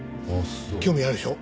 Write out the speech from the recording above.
興味あるでしょ？